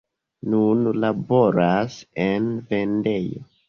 Nun laboras en vendejo.